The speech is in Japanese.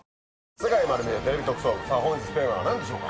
『世界まる見え！テレビ特捜部』本日のテーマは何でしょうか？